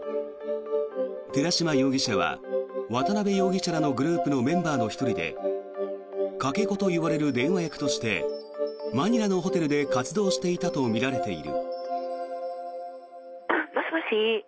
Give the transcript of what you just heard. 寺島容疑者は、渡邉容疑者らのグループのメンバーの１人でかけ子といわれる電話役としてマニラのホテルで活動していたとみられている。